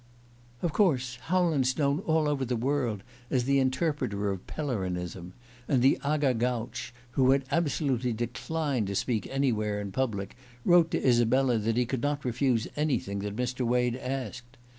"Of course Howland's known all over the world as the interpreter of Pellerinism, and the Aga Gautch, who had absolutely declined to speak anywhere in public, wrote to Isabella that he could not refuse anything that Mr. Wade asked.